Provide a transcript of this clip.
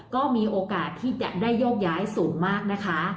ก็มีโอกาสที่จะได้โยกย้ายสูงมากนะคะ